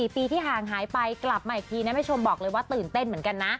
๔ปีที่ห่างหายไปกลับมาอีกทีนะแม่ชมบอกเลยว่าตื่นเต้นเหมือนกันนะ